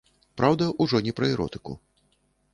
Праўда, ужо не пра эротыку.